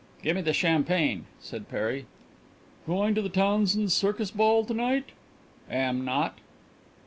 "Give me champagne," said Perry. "Going to the Townsends' circus ball to night?" "Am not!"